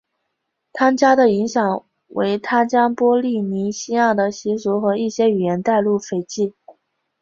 汤加的影响为他将波利尼西亚的习俗和一些语言带入斐济。